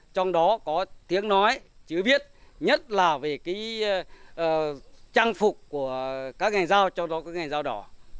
trong đó có tiếng nói chữ viết nhất là về cái trang phục của các người giao trong đó có người giao đỏ